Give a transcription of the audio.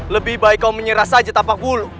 lebih baik kau menyerah saja